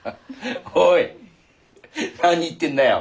おい何言ってんだよ？